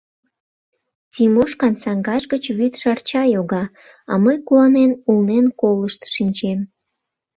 Тимошкан саҥгаж гыч вӱд шарча йога, а мый куанен, улнен колышт шинчем.